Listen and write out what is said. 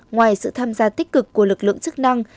ngoài sự tham gia tích cực của lực lượng chức năng